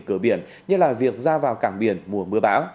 cửa biển như là việc ra vào cảng biển mùa mưa bão